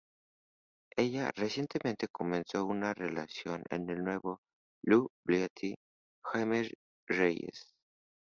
Ella recientemente comenzó una relación con el nuevo Blue Beetle Jaime Reyes.